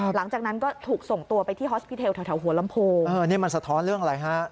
หลังจากนั้นก็ถูกส่งตัวไปที่ฮอสปีเทลแถวหัวลำโพง